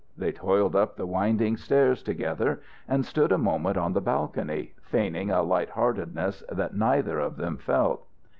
They toiled up the winding stairs together and stood a moment on the balcony, feigning a light heartedness that neither of them felt.